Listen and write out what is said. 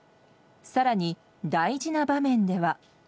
さらに大事な場面では。